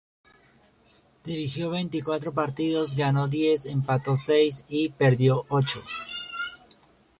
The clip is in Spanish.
Dirigió veinticuatro partidos, ganó diez, empató seis y perdió ocho.